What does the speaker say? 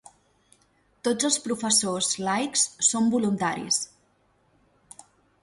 Tots els professors laics són voluntaris.